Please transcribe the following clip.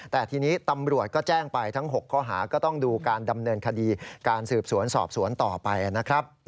แต่ทีนี้ตำรวจก็แจ้งไปทั้ง๖ข้อหาก็ต้องดูการดำเนินคดีการสืบสวนสอบสวนต่อไปนะครับ